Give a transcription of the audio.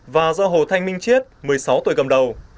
và do hồ thanh minh chiết một mươi sáu tuổi cầm đầu